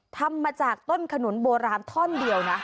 ทำมาจากต้นขนุนโบราณท่อนเดียวนะ